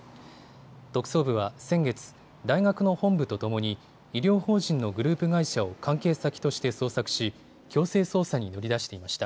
特捜部は先月、大学の本部とともに医療法人のグループ会社を関係先として捜索し強制捜査に乗り出していました。